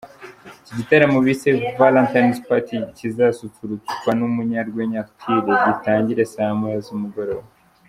Iki gitaramo bise Valentines Party kizasusurutswa n’umunyarwenya Arthur, gitangire saa moya z’umugoroba.